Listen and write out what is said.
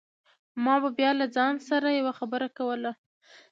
ما به بيا له ځان سره يوه خبره کوله.